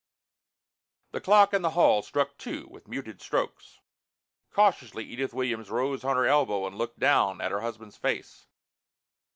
The clock in the hall struck two with muted strokes. Cautiously Edith Williams rose on her elbow and looked down at her husband's face.